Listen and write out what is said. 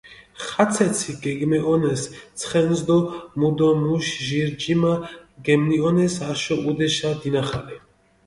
ხაცეცი გეგმეჸონეს ცხენს დო მუ დო მუში ჟირ ჯიმა გემნიჸონეს აშო, ჸუდეშა, დინახალე.